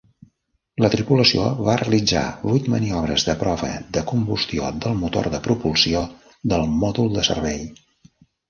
La tripulació va realitzar vuit maniobres de prova de combustió del motor de propulsió del Mòdul de Servei.